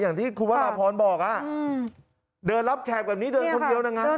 อย่างที่คุณวราพรบอกเดินรับแขกแบบนี้เดินคนเดียวนะไง